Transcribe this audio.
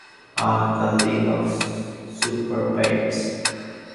Ah, the league of Super-Pets.